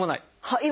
はい。